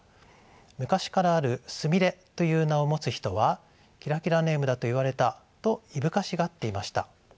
昔からある「菫」という名を持つ人はキラキラネームだと言われたといぶかしがっていました。